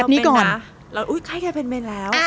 อุ๊ยไข้กันเป็นเมนแล้ว